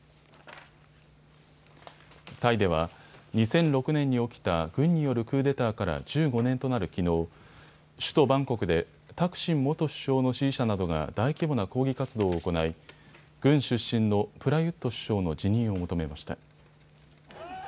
タイでは２００６年に起きた軍によるクーデターから１５年となるきのう、首都バンコクでタクシン元首相の支持者などが大規模な抗議活動を行い、軍出身のプラユット首相の辞任を求めました。